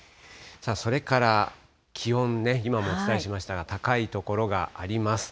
それから気温、今もお伝えしましたが、高い所があります。